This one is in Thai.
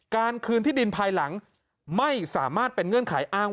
การคืนที่ดินภายหลังไม่สามารถเป็นเงื่อนไขอ้างว่า